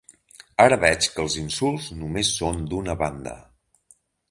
Ara veig que els insults només són d’una banda.